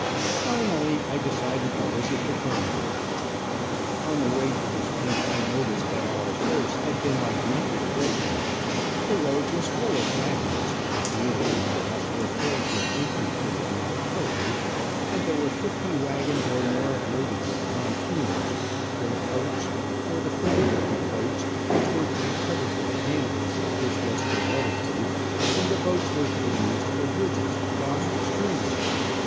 Finally I decided to visit the colonel. On the way to his tent I noticed that our force had been augmented greatly. The road was full of wagons, the fields near us were filled with infantry and artillery, and there were fifty wagons or more loaded with pontoons, great boats, or the frame work of boats, which were to be covered with canvass, which was water proof, and the boats were to be used for bridges across streams.